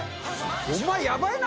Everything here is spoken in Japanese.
お前、やばいな。